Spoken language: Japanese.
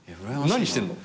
何してんの？